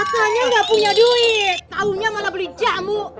makanya gak punya duit taunya malah beli jamu